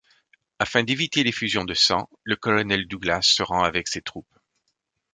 Afin d'éviter l'effusion de sang, le colonel Douglas se rend avec ses troupes.